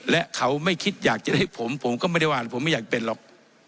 และเขาไม่คิดอยากจะได้ผมผมก็ไม่ได้ว่าผมไม่อยากเป็นหรอก